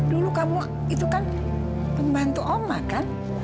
dulu kamu itu kan pembantu oma kan